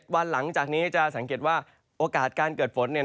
วันหลังจากนี้จะสังเกตว่าโอกาสการเกิดฝน